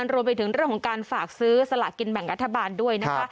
รวมไปถึงเรื่องของการฝากซื้อสลากินแบ่งรัฐบาลด้วยนะคะ